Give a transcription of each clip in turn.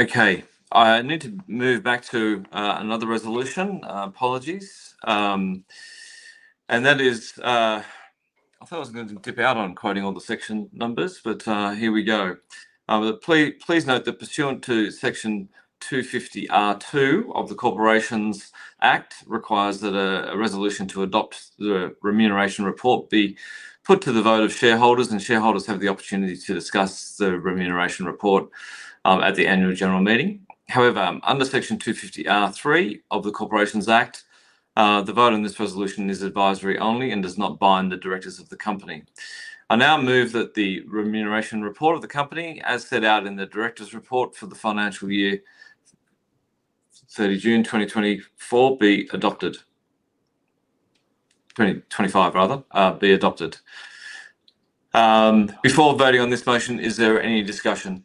Okay, I need to move back to another resolution. Apologies. That is, I thought I was going to dip out on quoting all the section numbers, but here we go. Please note that pursuant to Section 250(r)(2) of the Corporations Act requires that a resolution to adopt the remuneration report be put to the vote of shareholders, and shareholders have the opportunity to discuss the remuneration report at the annual general meeting. However, under Section 250(r)(3) of the Corporations Act, the vote on this resolution is advisory only and does not bind the directors of the company. I now move that the remuneration report of the company, as set out in the directors' report for the financial year 30 June 2024, be adopted. 2025, rather, be adopted. Before voting on this motion, is there any discussion?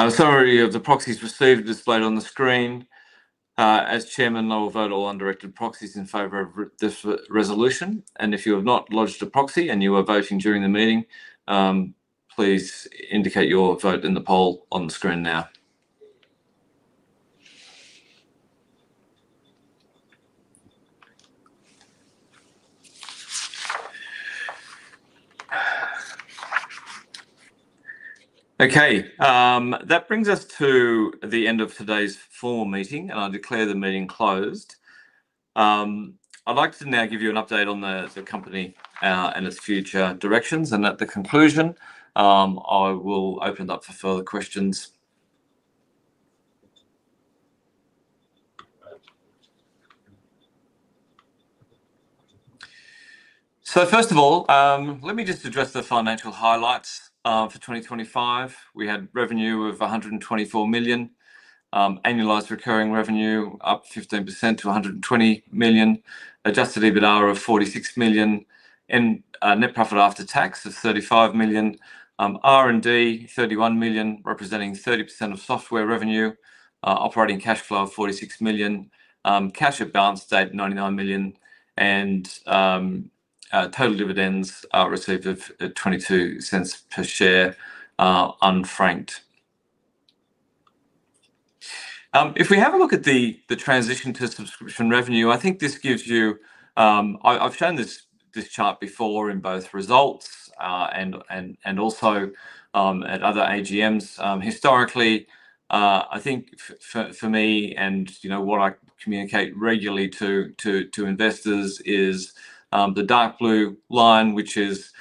I'm sorry, the proxies received are displayed on the screen. As Chairman, I will vote all undirected proxies in favor of this resolution. If you have not lodged a proxy and you are voting during the meeting, please indicate your vote in the poll on the screen now. That brings us to the end of today's formal meeting, and I declare the meeting closed. I'd like to now give you an update on the company and its future directions, and at the conclusion, I will open it up for further questions. First of all, let me just address the financial highlights for 2025. We had revenue of 124 million, annualised recurring revenue up 15% to 120 million, adjusted EBITDA of 46 million, net profit after tax of 35 million, R&D 31 million, representing 30% of software revenue, operating cash flow of 46 million, cash at balance date 99 million, and total dividends received of 0.22 per share unfranked. If we have a look at the transition to subscription revenue, I think this gives you—I have shown this chart before in both results and also at other AGMs. Historically, I think for me and what I communicate regularly to investors is the dark blue line, which is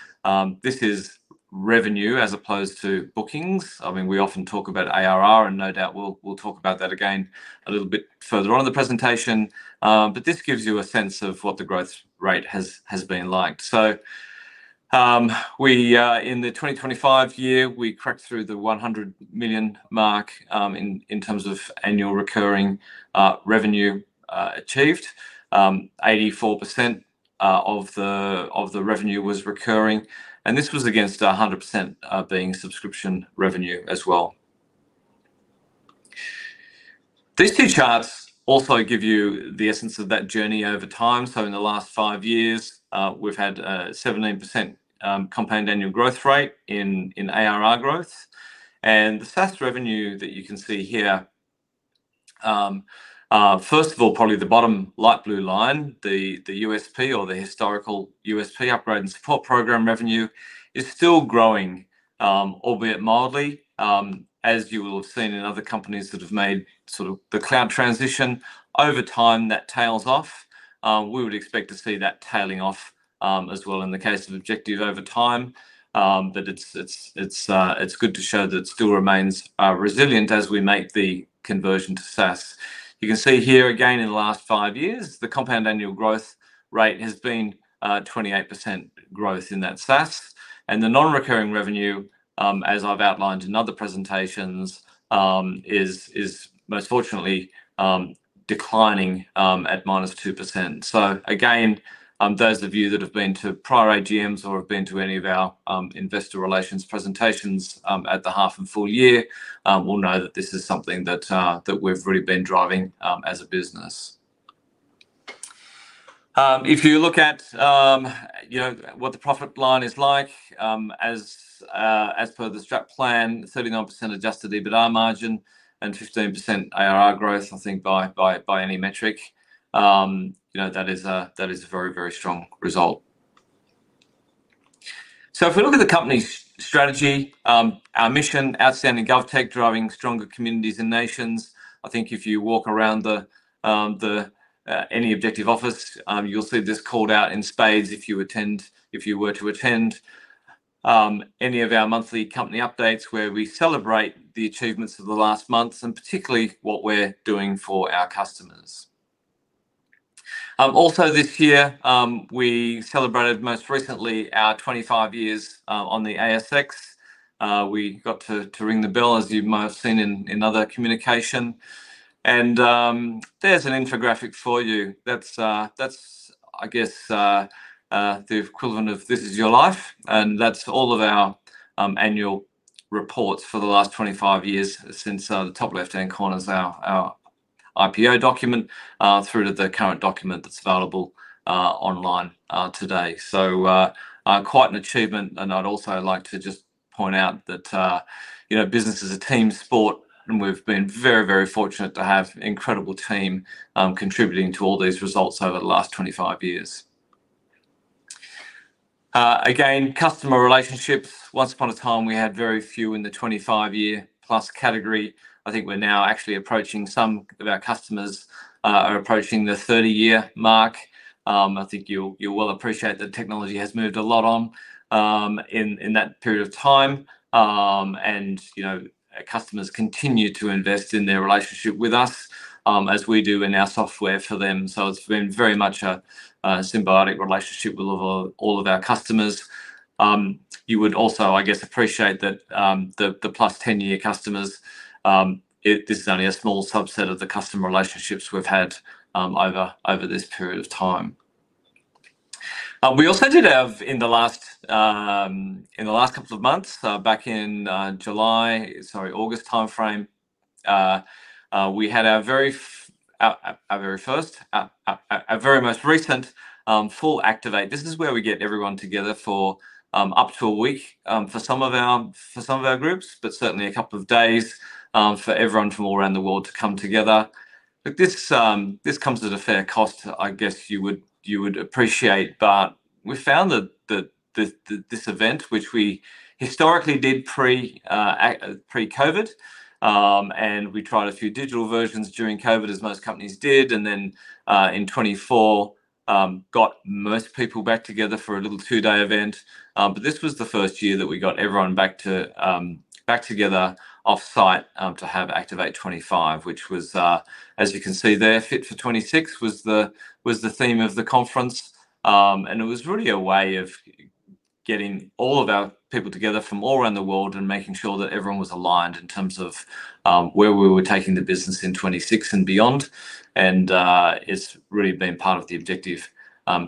this is revenue as opposed to bookings. I mean, we often talk about ARR, and no doubt we will talk about that again a little bit further on in the presentation. This gives you a sense of what the growth rate has been like. In the 2025 year, we cracked through the 100 million mark in terms of annual recurring revenue achieved. 84% of the revenue was recurring, and this was against 100% being subscription revenue as well. These two charts also give you the essence of that journey over time. In the last five years, we've had a 17% compound annual growth rate in ARR growth. The SaaS revenue that you can see here, first of all, probably the bottom light blue line, the USP or the historical USP upgrade and support program revenue is still growing, albeit mildly, as you will have seen in other companies that have made sort of the cloud transition. Over time, that tails off. We would expect to see that tailing off as well in the case of Objective over time. It is good to show that it still remains resilient as we make the conversion to SaaS. You can see here again in the last five years, the compound annual growth rate has been 28% growth in that SaaS. The non-recurring revenue, as I have outlined in other presentations, is most fortunately declining at -2%. Those of you that have been to prior AGMs or have been to any of our investor relations presentations at the half and full year will know that this is something that we have really been driving as a business. If you look at what the profit line is like, as per the STRAT plan, 39% adjusted EBITDA margin and 15% ARR growth, I think by any metric, that is a very, very strong result. If we look at the company's strategy, our mission, outstanding GovTech, driving stronger communities and nations. I think if you walk around any Objective office, you'll see this called out in spades. If you were to attend any of our monthly company updates where we celebrate the achievements of the last months and particularly what we're doing for our customers. Also, this year, we celebrated most recently our 25 years on the ASX. We got to ring the bell, as you might have seen in other communication. There's an infographic for you. That's, I guess, the equivalent of "This is your life." That's all of our annual reports for the last 25 years since the top left-hand corner is our IPO document through to the current document that's available online today. Quite an achievement. I’d also like to just point out that business is a team sport, and we’ve been very, very fortunate to have an incredible team contributing to all these results over the last 25 years. Again, customer relationships. Once upon a time, we had very few in the 25-year plus category. I think we’re now actually approaching some of our customers are approaching the 30-year mark. I think you’ll well appreciate that technology has moved a lot in that period of time. Customers continue to invest in their relationship with us as we do in our software for them. It’s been very much a symbiotic relationship with all of our customers. You would also, I guess, appreciate that the plus 10-year customers, this is only a small subset of the customer relationships we’ve had over this period of time. We also did have in the last couple of months, back in July, sorry, August timeframe, we had our very first, our very most recent full Activate. This is where we get everyone together for up to a week for some of our groups, but certainly a couple of days for everyone from all around the world to come together. This comes at a fair cost, I guess you would appreciate. We found that this event, which we historically did pre-COVID, and we tried a few digital versions during COVID, as most companies did, and then in 2024 got most people back together for a little two-day event. This was the first year that we got everyone back together offsite to have Activate 2025, which was, as you can see there, fit for 2026 was the theme of the conference. It was really a way of getting all of our people together from all around the world and making sure that everyone was aligned in terms of where we were taking the business in 2026 and beyond. It has really been part of the Objective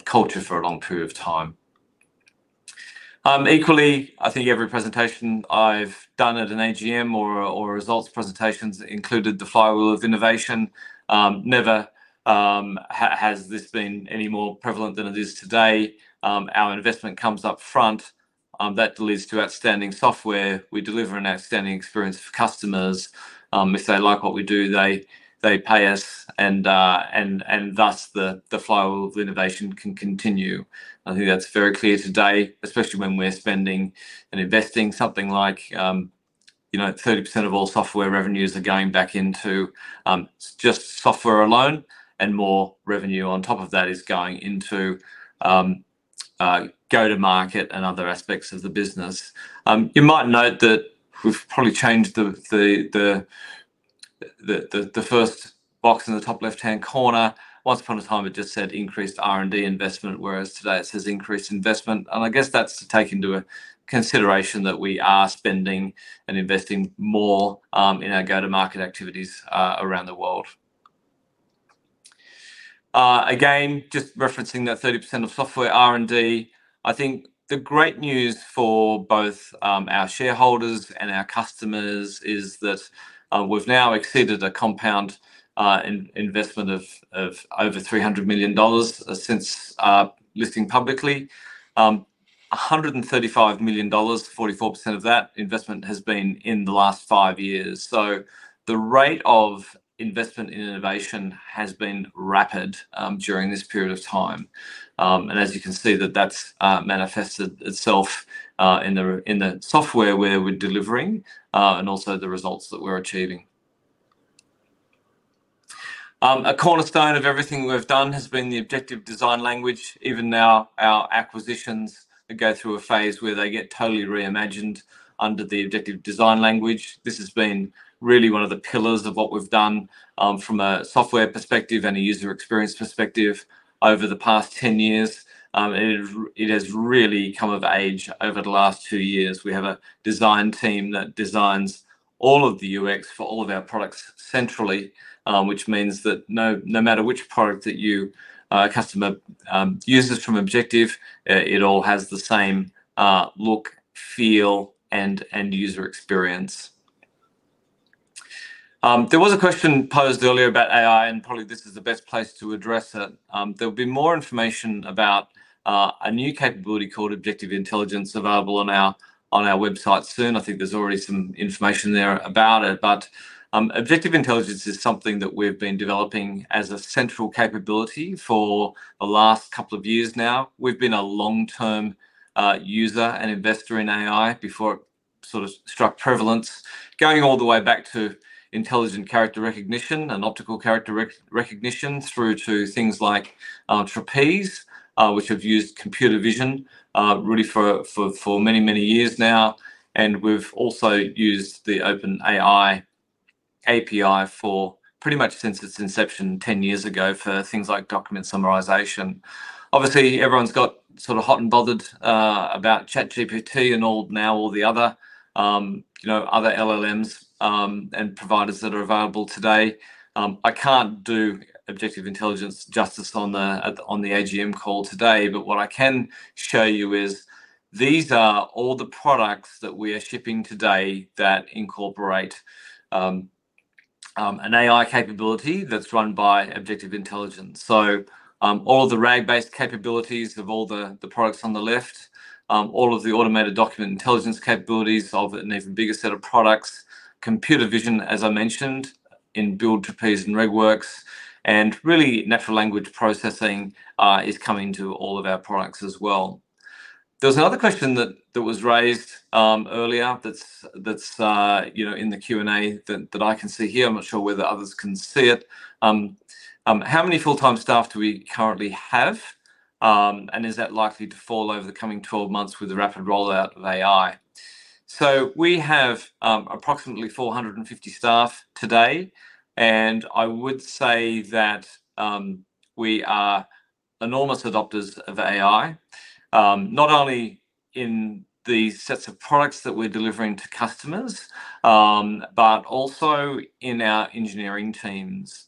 culture for a long period of time. Equally, I think every presentation I have done at an AGM or results presentations included the flywheel of innovation. Never has this been any more prevalent than it is today. Our investment comes up front. That leads to outstanding software. We deliver an outstanding experience for customers. If they like what we do, they pay us, and thus the flywheel of innovation can continue. I think that's very clear today, especially when we're spending and investing something like 30% of all software revenues are going back into just software alone, and more revenue on top of that is going into go-to-market and other aspects of the business. You might note that we've probably changed the first box in the top left-hand corner. Once upon a time, it just said increased R&D investment, whereas today it says increased investment. I guess that's to take into consideration that we are spending and investing more in our go-to-market activities around the world. Again, just referencing that 30% of software R&D, I think the great news for both our shareholders and our customers is that we've now exceeded a compound investment of over 300 million dollars since listing publicly. 135 million dollars, 44% of that investment has been in the last five years. The rate of investment in innovation has been rapid during this period of time. As you can see, that has manifested itself in the software we are delivering and also the results that we are achieving. A cornerstone of everything we have done has been the Objective Design Language. Even now, our acquisitions go through a phase where they get totally reimagined under the Objective Design Language. This has been really one of the pillars of what we have done from a software perspective and a user experience perspective over the past 10 years. It has really come of age over the last two years. We have a design team that designs all of the UX for all of our products centrally, which means that no matter which product your customer uses from Objective, it all has the same look, feel, and user experience. There was a question posed earlier about AI, and probably this is the best place to address it. There will be more information about a new capability called Objective Intelligence available on our website soon. I think there's already some information there about it. Objective Intelligence is something that we've been developing as a central capability for the last couple of years now. We've been a long-term user and investor in AI before it sort of struck prevalence, going all the way back to intelligent character recognition and optical character recognition through to things like Trapeze, which have used computer vision really for many, many years now. We've also used the OpenAI API for pretty much since its inception 10 years ago for things like document summarisation. Obviously, everyone's got sort of hot and bothered about ChatGPT and now all the other LLMs and providers that are available today. I can't do Objective Intelligence justice on the AGM call today, but what I can show you is these are all the products that we are shipping today that incorporate an AI capability that's run by Objective Intelligence. All of the RAG-based capabilities of all the products on the left, all of the automated document intelligence capabilities of an even bigger set of products, computer vision, as I mentioned, in Build, Trapeze, and RegWorks, and really natural language processing is coming to all of our products as well. There was another question that was raised earlier that's in the Q&A that I can see here. I'm not sure whether others can see it. How many full-time staff do we currently have, and is that likely to fall over the coming 12 months with the rapid rollout of AI? We have approximately 450 staff today, and I would say that we are enormous adopters of AI, not only in the sets of products that we're delivering to customers, but also in our engineering teams.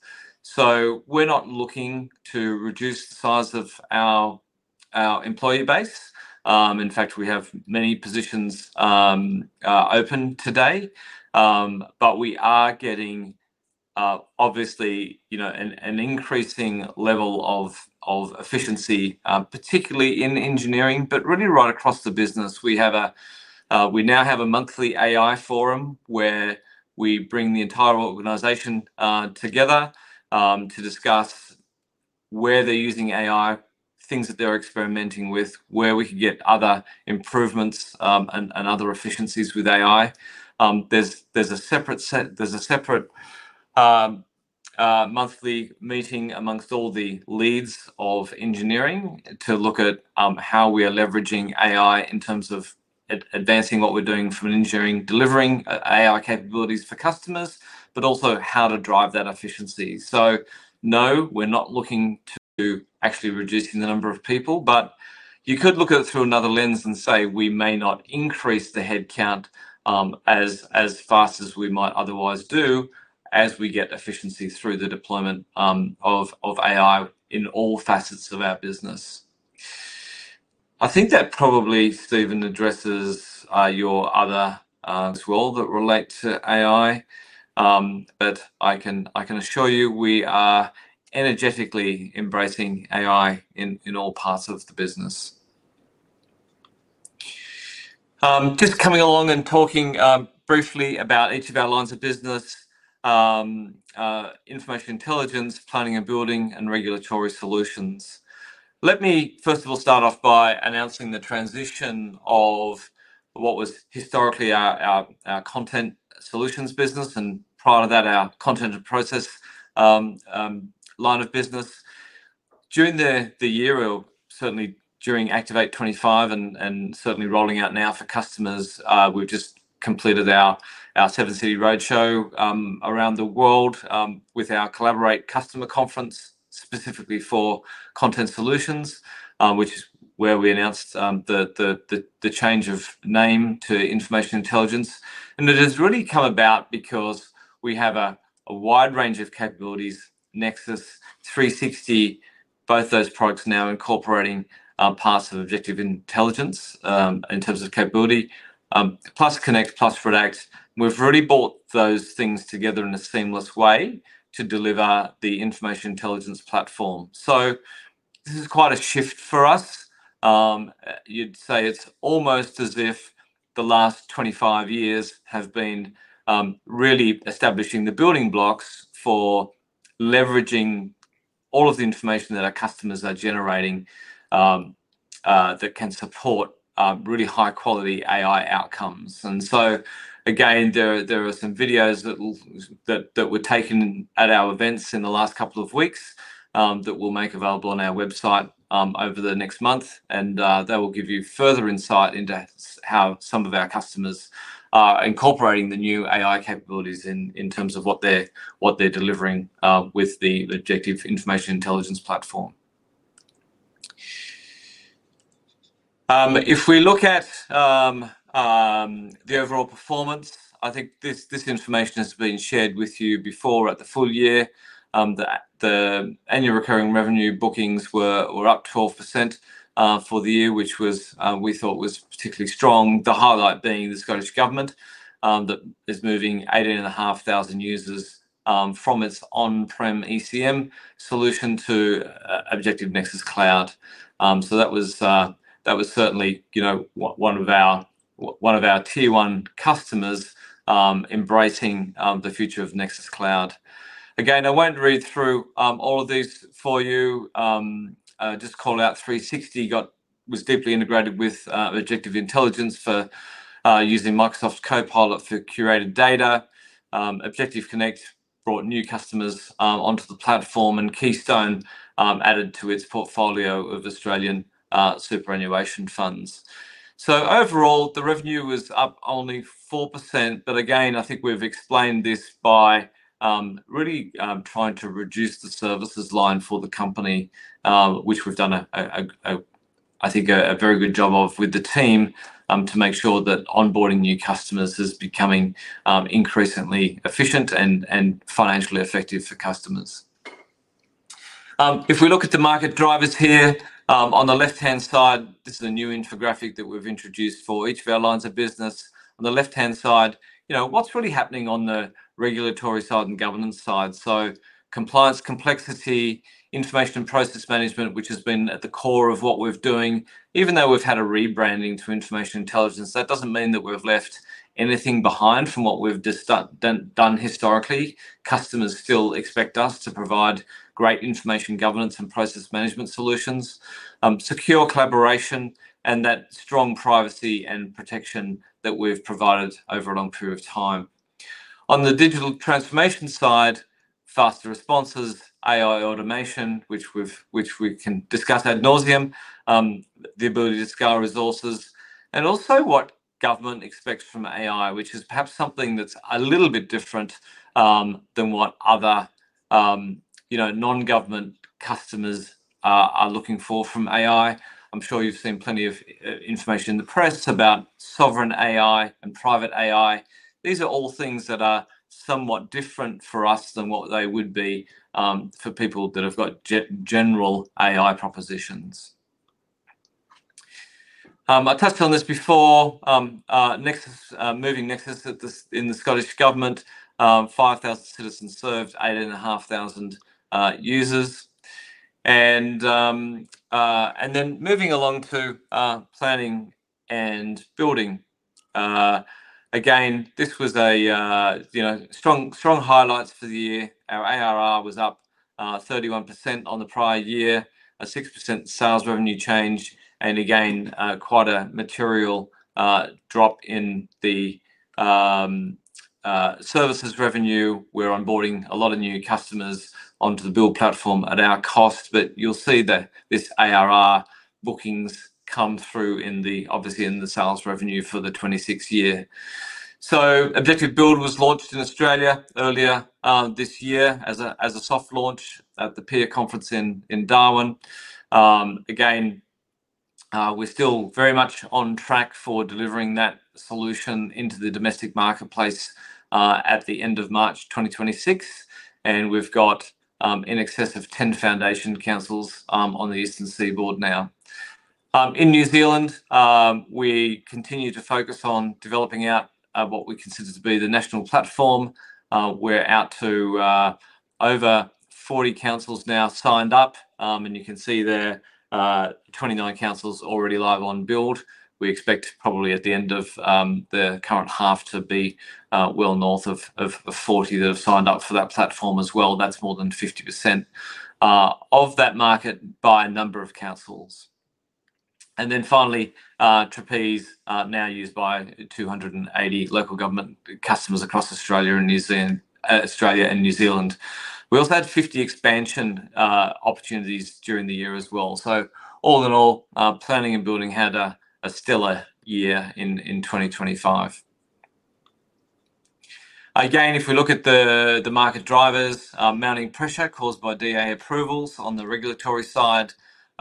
We are not looking to reduce the size of our employee base. In fact, we have many positions open today, but we are getting, obviously, an increasing level of efficiency, particularly in engineering, but really right across the business. We now have a monthly AI forum where we bring the entire organization together to discuss where they're using AI, things that they're experimenting with, where we can get other improvements and other efficiencies with AI. There's a separate monthly meeting amongst all the leads of engineering to look at how we are leveraging AI in terms of advancing what we're doing from engineering, delivering AI capabilities for customers, but also how to drive that efficiency. No, we're not looking to actually reduce the number of people, but you could look at it through another lens and say, "We may not increase the headcount as fast as we might otherwise do as we get efficiency through the deployment of AI in all facets of our business." I think that probably, Stephen, addresses your other as well that relate to AI. I can assure you we are energetically embracing AI in all parts of the business. Just coming along and talking briefly about each of our lines of business: information intelligence, planning and building, and regulatory solutions. Let me, first of all, start off by announcing the transition of what was historically our Content Solutions business, and prior to that, our content and process line of business. During the year, certainly during Activate 2025 and certainly rolling out now for customers, we've just completed our Seven City Roadshow around the world with our Collaborate customer conference specifically for Content Solutions, which is where we announced the change of name to Information Intelligence. It has really come about because we have a wide range of capabilities, Nexus, 360, both those products now incorporating parts of Objective Intelligence in terms of capability, plus Connect, plus Redact. We've really brought those things together in a seamless way to deliver the Information Intelligence platform. This is quite a shift for us. You'd say it's almost as if the last 25 years have been really establishing the building blocks for leveraging all of the information that our customers are generating that can support really high-quality AI outcomes. There are some videos that were taken at our events in the last couple of weeks that we'll make available on our website over the next month. They will give you further insight into how some of our customers are incorporating the new AI capabilities in terms of what they're delivering with the Objective Information Intelligence platform. If we look at the overall performance, I think this information has been shared with you before at the full year. The annual recurring revenue bookings were up 12% for the year, which we thought was particularly strong, the highlight being the Scottish Government that is moving 18,500 users from its on-prem ECM solution to Objective Nexus Cloud. That was certainly one of our tier-one customers embracing the future of Nexus Cloud. I will not read through all of these for you. Just call out 360 was deeply integrated with Objective Intelligence for using Microsoft's Copilot for curated data. Objective Connect brought new customers onto the platform, and Keystone added to its portfolio of Australian superannuation funds. Overall, the revenue was up only 4%. I think we've explained this by really trying to reduce the services line for the company, which we've done, I think, a very good job of with the team to make sure that onboarding new customers is becoming increasingly efficient and financially effective for customers. If we look at the market drivers here on the left-hand side, this is a new infographic that we've introduced for each of our lines of business. On the left-hand side, what's really happening on the regulatory side and governance side? Compliance, complexity, information and process management, which has been at the core of what we're doing. Even though we've had a rebranding to information intelligence, that doesn't mean that we've left anything behind from what we've done historically. Customers still expect us to provide great information governance and process management solutions, secure collaboration, and that strong privacy and protection that we've provided over a long period of time. On the digital transformation side, faster responses, AI automation, which we can discuss ad nauseam, the ability to scale resources, and also what government expects from AI, which is perhaps something that's a little bit different than what other non-government customers are looking for from AI. I'm sure you've seen plenty of information in the press about sovereign AI and private AI. These are all things that are somewhat different for us than what they would be for people that have got general AI propositions. I touched on this before. Moving Nexus in the Scottish Government, 5,000 citizens served, 18,500 users. Moving along to planning and building. Again, this was strong highlights for the year. Our ARR was up 31% on the prior year, a 6% sales revenue change, and again, quite a material drop in the services revenue. We're onboarding a lot of new customers onto the Build platform at our cost, but you'll see that this ARR bookings come through, obviously, in the sales revenue for the 2026 year. Objective Build was launched in Australia earlier this year as a soft launch at the PIA conference in Darwin. Again, we're still very much on track for delivering that solution into the domestic marketplace at the end of March 2026, and we've got in excess of 10 foundation councils on the Eastern Seaboard now. In New Zealand, we continue to focus on developing out what we consider to be the national platform. We're out to over 40 councils now signed up, and you can see there are 29 councils already live on Build. We expect probably at the end of the current half to be well north of 40 that have signed up for that platform as well. That's more than 50% of that market by a number of councils. Finally, Trapeze now used by 280 local government customers across Australia and New Zealand. We also had 50 expansion opportunities during the year as well. All in all, planning and building had a stellar year in 2025. Again, if we look at the market drivers, mounting pressure caused by DA approvals on the regulatory side,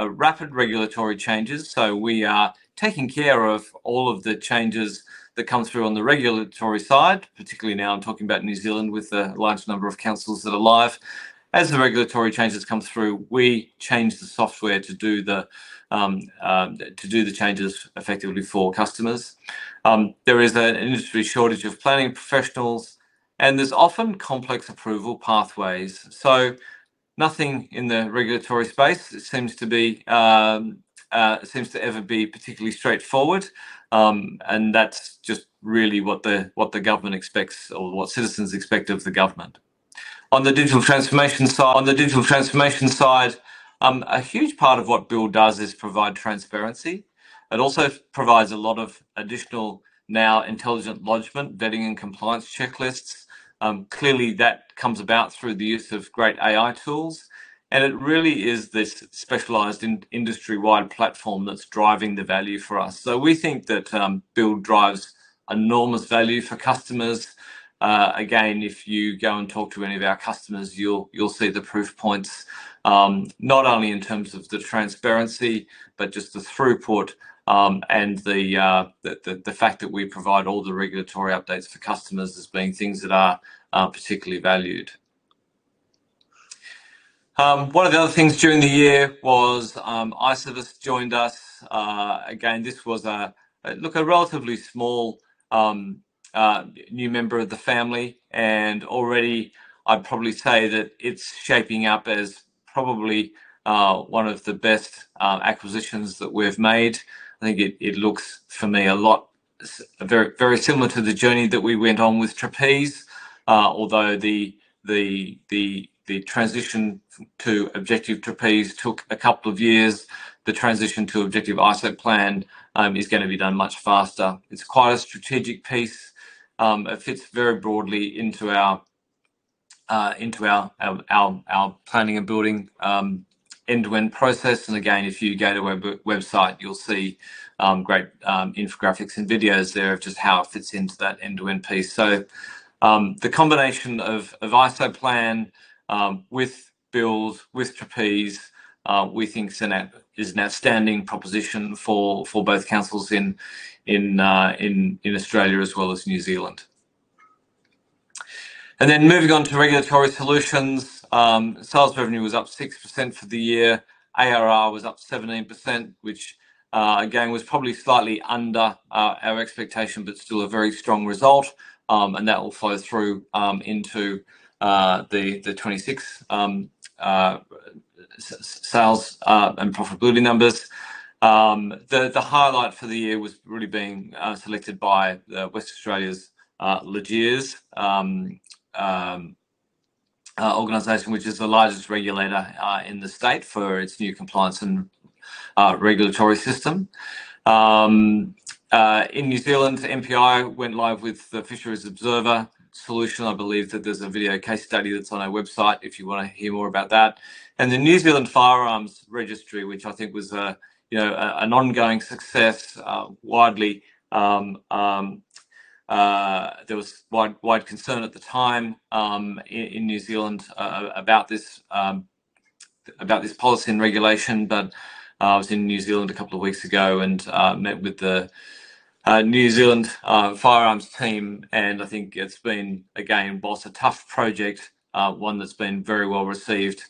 rapid regulatory changes. We are taking care of all of the changes that come through on the regulatory side, particularly now I'm talking about New Zealand with the large number of councils that are live. As the regulatory changes come through, we change the software to do the changes effectively for customers. There is an industry shortage of planning professionals, and there's often complex approval pathways. Nothing in the regulatory space seems to be ever particularly straightforward, and that's just really what the government expects or what citizens expect of the government. On the digital transformation side, a huge part of what Build does is provide transparency. It also provides a lot of additional now intelligent lodgement, vetting, and compliance checklists. Clearly, that comes about through the use of great AI tools, and it really is this specialised industry-wide platform that's driving the value for us. We think that Build drives enormous value for customers. Again, if you go and talk to any of our customers, you'll see the proof points not only in terms of the transparency, but just the throughput and the fact that we provide all the regulatory updates for customers as being things that are particularly valued. One of the other things during the year was Isovist joined us. Again, this was a relatively small new member of the family, and already I'd probably say that it's shaping up as probably one of the best acquisitions that we've made. I think it looks for me a lot very similar to the journey that we went on with Trapeze. Although the transition to Objective Trapeze took a couple of years, the transition to Objective IsoPlan is going to be done much faster. It's quite a strategic piece. It fits very broadly into our planning and building end-to-end process. If you go to our website, you'll see great infographics and videos there of just how it fits into that end-to-end piece. The combination of IsoPlan with Build, with Trapeze, we think is an outstanding proposition for both councils in Australia as well as New Zealand. Moving on to regulatory solutions, sales revenue was up 6% for the year. ARR was up 17%, which again was probably slightly under our expectation, but still a very strong result. That will follow through into the 2026 sales and profitability numbers. The highlight for the year was really being selected by West Australia's LGRS organization, which is the largest regulator in the state for its new compliance and regulatory system. In New Zealand, MPI went live with the Fisheries Observer solution. I believe that there's a video case study that's on our website if you want to hear more about that. The New Zealand Firearms Registry, which I think was an ongoing success widely. There was wide concern at the time in New Zealand about this policy and regulation. I was in New Zealand a couple of weeks ago and met with the New Zealand Firearms team, and I think it's been, again, whilst a tough project, one that's been very well received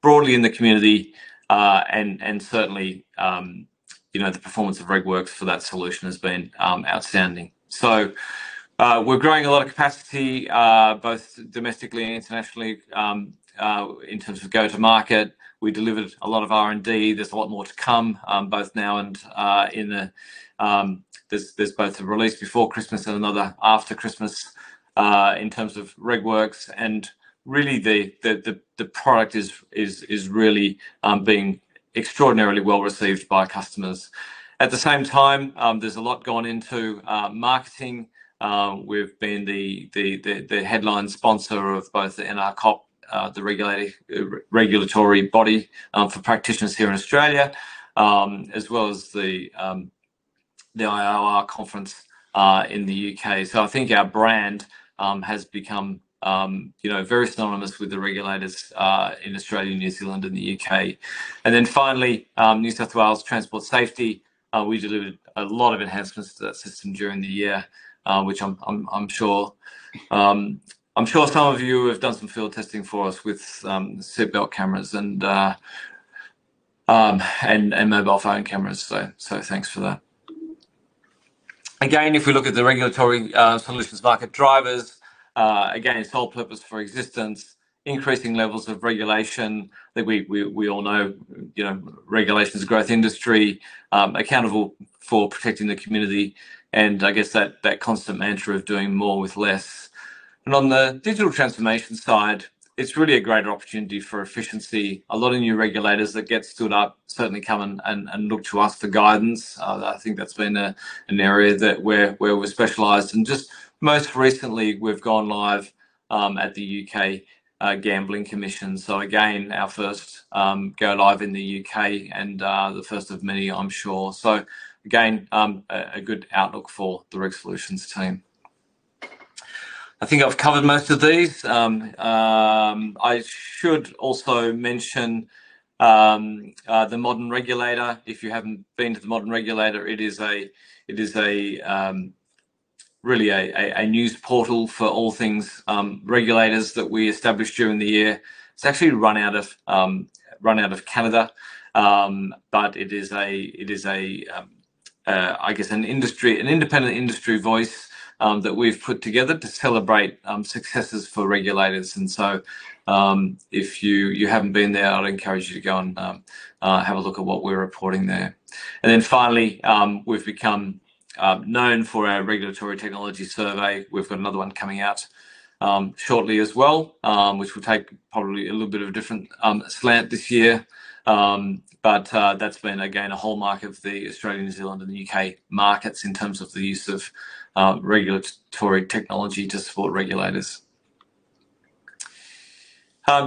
broadly in the community. Certainly, the performance of RegWorks for that solution has been outstanding. We're growing a lot of capacity, both domestically and internationally, in terms of go-to-market. We delivered a lot of R&D. There's a lot more to come, both now and in the there's both a release before Christmas and another after Christmas in terms of RegWorks. The product is really being extraordinarily well received by customers. At the same time, there's a lot gone into marketing. We have been the headline sponsor of both the NRCOP, the regulatory body for practitioners here in Australia, as well as the IRR conference in the U.K. I think our brand has become very synonymous with the regulators in Australia, New Zealand, and the U.K. Finally, New South Wales Transport Safety, we delivered a lot of enhancements to that system during the year, which I'm sure some of you have done some field testing for us with seatbelt cameras and mobile phone cameras. Thanks for that. Again, if we look at the regulatory solutions market drivers, again, it's all purpose for existence, increasing levels of regulation that we all know regulation is a growth industry, accountable for protecting the community, and I guess that constant mantra of doing more with less. On the digital transformation side, it's really a greater opportunity for efficiency. A lot of new regulators that get stood up certainly come and look to us for guidance. I think that's been an area where we're specialised. Just most recently, we've gone live at the U.K. Gambling Commission. Again, our first go-live in the U.K. and the first of many, I'm sure. A good outlook for the RegSolutions team. I think I've covered most of these. I should also mention the Modern Regulator. If you haven't been to the Modern Regulator, it is really a news portal for all things regulators that we established during the year. It's actually run out of Canada, but it is, I guess, an independent industry voice that we've put together to celebrate successes for regulators. If you haven't been there, I'd encourage you to go and have a look at what we're reporting there. Finally, we've become known for our regulatory technology survey. We've got another one coming out shortly as well, which will take probably a little bit of a different slant this year. That's been, again, a hallmark of the Australia, New Zealand, and the U.K. markets in terms of the use of regulatory technology to support regulators.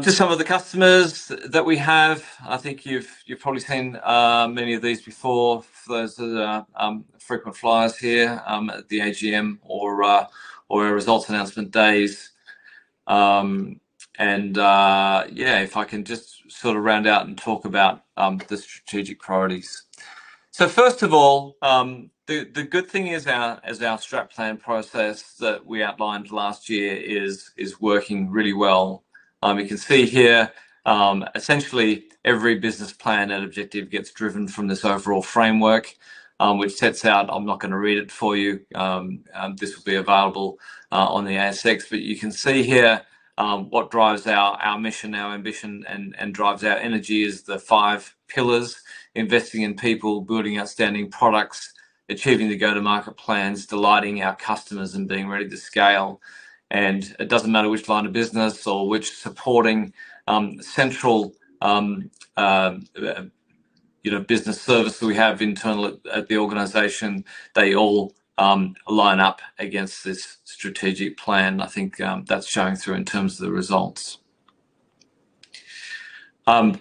Just some of the customers that we have. I think you've probably seen many of these before. Those are frequent flyers here at the AGM or our results announcement days. Yeah, if I can just sort of round out and talk about the strategic priorities. First of all, the good thing is our STRAT Plan process that we outlined last year is working really well. You can see here, essentially, every business plan and objective gets driven from this overall framework, which sets out, I'm not going to read it for you. This will be available on the ASX. You can see here what drives our mission, our ambition, and drives our energy is the five pillars: investing in people, building outstanding products, achieving the go-to-market plans, delighting our customers, and being ready to scale. It doesn't matter which line of business or which supporting central business service we have internal at the organization, they all line up against this strategic plan. I think that's showing through in terms of the results.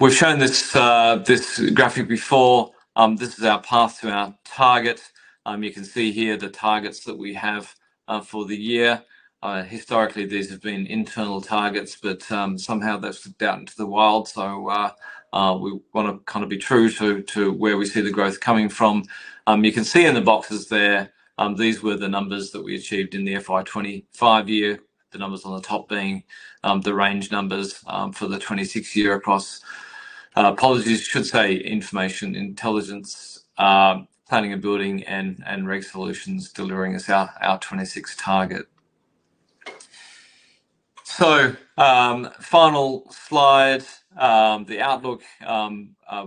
We've shown this graphic before. This is our path to our target. You can see here the targets that we have for the year. Historically, these have been internal targets, but somehow they've slipped out into the wild. We want to kind of be true to where we see the growth coming from. You can see in the boxes there, these were the numbers that we achieved in the FY2025 year, the numbers on the top being the range numbers for the 2026 year across policies, should say information, intelligence, planning and building, and RegSolutions delivering us our 2026 target. Final slide, the outlook.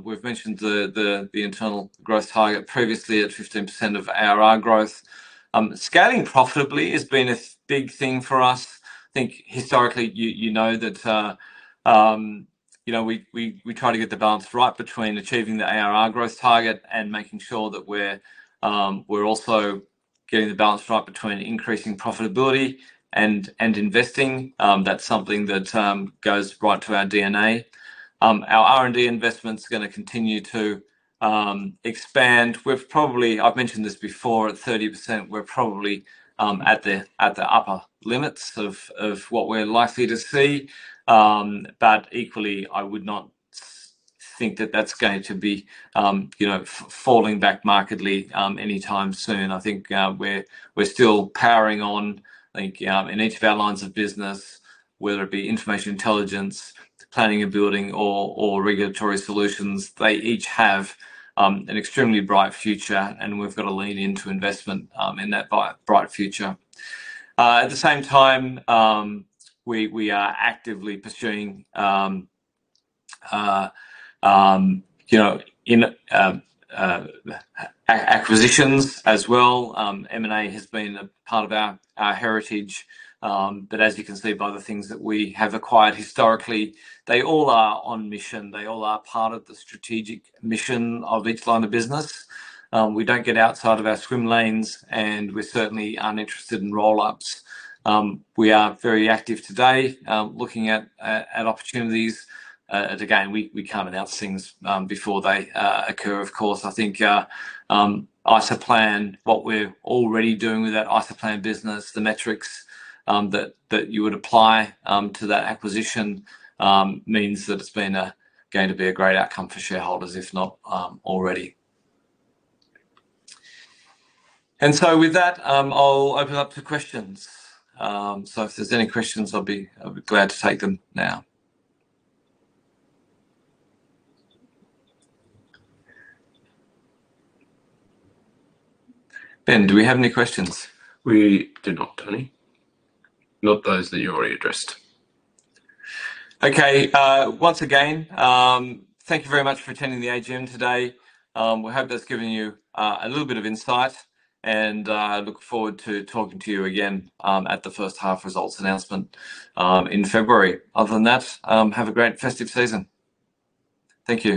We've mentioned the internal growth target previously at 15% of our growth. Scaling profitably has been a big thing for us. I think historically, you know that we try to get the balance right between achieving the ARR growth target and making sure that we're also getting the balance right between increasing profitability and investing. That's something that goes right to our DNA. Our R&D investment's going to continue to expand. I've mentioned this before, at 30%, we're probably at the upper limits of what we're likely to see. I would not think that that's going to be falling back markedly anytime soon. I think we're still powering on. I think in each of our lines of business, whether it be information intelligence, planning and building, or regulatory solutions, they each have an extremely bright future, and we've got to lean into investment in that bright future. At the same time, we are actively pursuing acquisitions as well. M&A has been a part of our heritage. As you can see by the things that we have acquired historically, they all are on mission. They all are part of the strategic mission of each line of business. We do not get outside of our swim lanes, and we are certainly uninterested in roll-ups. We are very active today looking at opportunities. Again, we cannot announce things before they occur, of course. I think IsoPlan, what we are already doing with that IsoPlan business, the metrics that you would apply to that acquisition means that it is going to be a great outcome for shareholders, if not already. With that, I will open up to questions. If there are any questions, I will be glad to take them now. Ben, do we have any questions? We do not, Tony. Not those that you already addressed. Okay. Once again, thank you very much for attending the AGM today. We hope that's given you a little bit of insight, and I look forward to talking to you again at the first half results announcement in February. Other than that, have a great festive season. Thank you.